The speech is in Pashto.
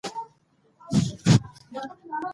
د ماشومانو روزنې ته پاملرنه وکړئ.